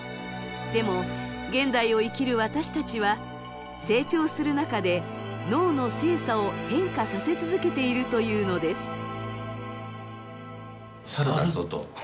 でも現代を生きる私たちは成長する中で脳の性差を変化させ続けているというのです。